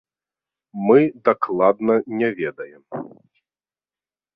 Мы дакладна не ведаем.